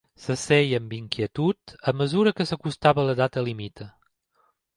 S'asseia amb inquietud a mesura que s'acostava la data límit.